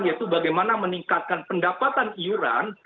yaitu bagaimana meningkatkan pendapatan iuran